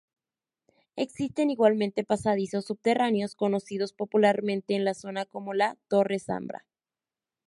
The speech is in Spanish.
Existen igualmente pasadizos subterráneos, conocidos popularmente en la zona como La Torre Zambra.